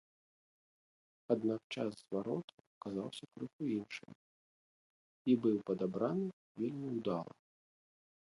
Аднак час звароту аказаўся крыху іншым і быў падабраны вельмі ўдала.